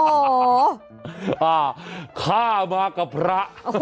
โอ้โหอ่าข้ามากพระ